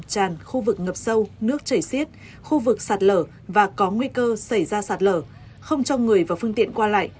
tràn khu vực ngập sâu nước chảy xiết khu vực sạt lở và có nguy cơ xảy ra sạt lở không cho người và phương tiện qua lại